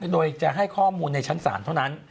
โดยจะให้ข้อมูลในชั้นศาลเท่านั้น